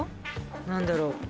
何だろう？